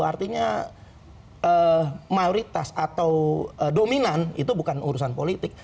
artinya mayoritas atau dominan itu bukan urusan politik